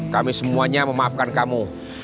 kami semuanya memaafkan kamu